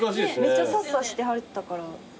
めっちゃサッサしてはったから。